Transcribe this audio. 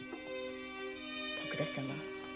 徳田様